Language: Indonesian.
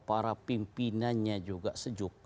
para pimpinannya juga sejuk